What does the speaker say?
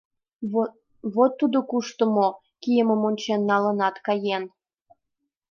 — Вот тудо кушто мо кийымым ончен налынат, каен.